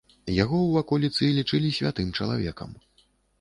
Яго ў ваколіцы лічылі святым чалавекам.